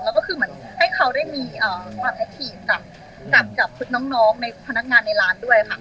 แล้วก็คือเหมือนให้เขาได้มีความแอคทีฟกับน้องในพนักงานในร้านด้วยค่ะ